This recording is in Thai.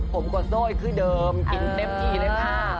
ผมกว่าโซ่คือเดิมกินเต็มที่เลยค่ะ